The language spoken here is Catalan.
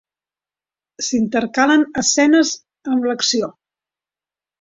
S'intercalen escenes amb l'acció.